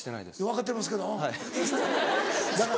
分かってますけどうん。